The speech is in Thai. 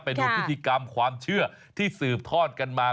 ไปดูพิธีกรรมความเชื่อที่สืบทอดกันมา